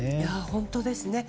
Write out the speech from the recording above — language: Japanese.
本当ですね。